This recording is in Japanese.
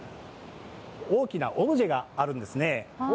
大きなオブジェがあるんですね。